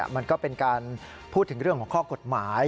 มันก็เป็นการพูดถึงเรื่องของข้อกฎหมาย